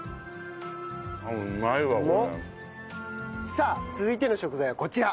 さあ続いての食材はこちら。